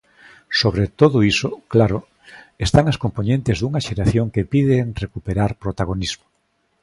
Sobre todo iso, claro, están as compoñentes dunha xeración que piden recuperar protagonismo.